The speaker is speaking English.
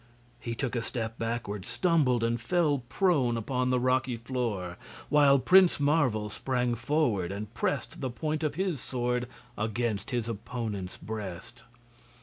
He took a step backward, stumbled and fell prone upon the rocky floor, while Prince Marvel sprang forward and pressed the point of his sword against his opponent's breast.